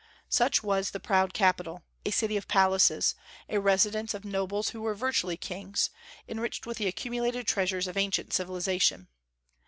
Such was the proud capital, a city of palaces, a residence of nobles who were virtually kings, enriched with the accumulated treasures of ancient civilization.